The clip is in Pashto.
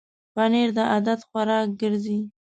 پنېر د عادت خوراک ګرځي.